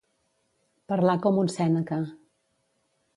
Parlar com un Sèneca.